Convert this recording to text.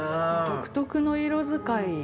独特の色使い。